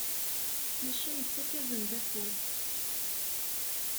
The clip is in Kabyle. Maca yettak-asen-d afud.